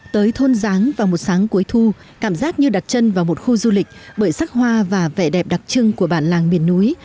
tới thôn giáng vào một sáng cuối thu cảm giác như đặt chân vào một khu du lịch bởi sắc hoa và vẻ đẹp đặc trưng của bản làng miền núi